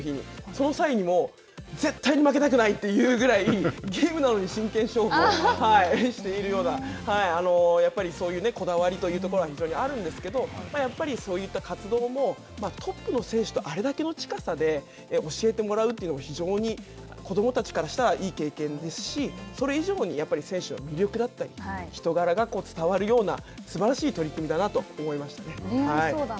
その際にも、絶対に負けたくないというぐらい、ゲームなのに真剣勝負をしているような、やっぱりそういうこだわりというところは非常にあるんですけど、やっぱりそういった活動も、トップの選手とあれだけの近さで教えてもらうというのも、非常に子どもたちからしたらいい経験ですし、それ以上に、選手の魅力だったり、人柄が伝わるような、すばらしい取り組みだなと思いましたね。